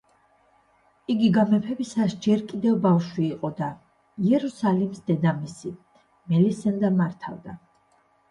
იგი გამეფებისას ჯერ კიდევ ბავშვი იყო და იერუსალიმს დედამისი, მელისენდა მართავდა.